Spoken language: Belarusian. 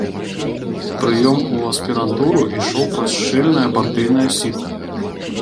Прыём у аспірантуру ішоў праз шчыльнае партыйнае сіта.